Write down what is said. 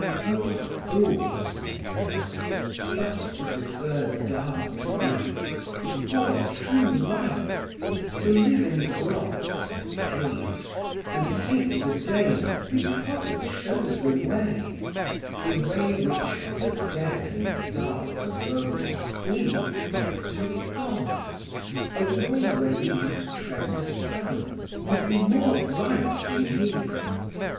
O fools (said I,) thus to prefer dark night Before true light, To live in grots, and caves, and hate the day Because it shows the way, The way which from the dead and dark abode Leads up to God, A way where you might tread the Sun, and be More bright than he.